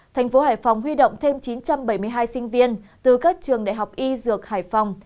thành phố hải phòng huy động thêm chín trăm bảy mươi hai sinh viên từ các trường đại học y dược hải phòng